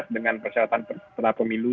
dengan persyaratan peserta pemilu